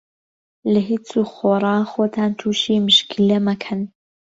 لە هیچ و خۆڕا خۆتان تووشی مشکیلە مەکەن.